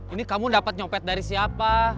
ini kamu dapat nyopet dari siapa